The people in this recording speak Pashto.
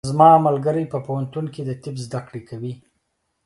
زما ملګری په پوهنتون کې د طب زده کړې کوي.